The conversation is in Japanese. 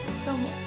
どうも。